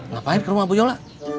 ngapain ke rumah bu yola